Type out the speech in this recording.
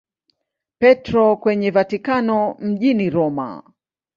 Petro kwenye Vatikano mjini Roma.